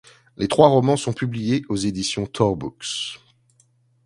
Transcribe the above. Les trois romans sont publiés aux éditions Tor Books.